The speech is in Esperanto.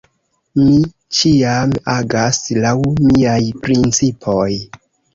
Mi ĉiam agas laŭ miaj principoj.